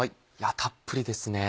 たっぷりですね。